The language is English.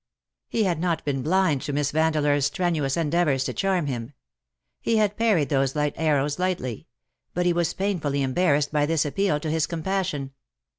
He had not been blind to Miss Vande leur^s strenuous endeavours to charm him. He had parried those light arrows lightly : but he Tvas painfully embarrassed by this appeal to his com passion.